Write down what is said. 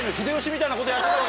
みたいなことやってたわけだ。